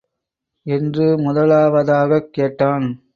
என்று முதலாவதாகக் கேட்டான்.